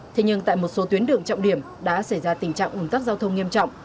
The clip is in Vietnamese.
thế nhưng tại một số tuyến đường trọng điểm đã xảy ra tình trạng ủn tắc giao thông nghiêm trọng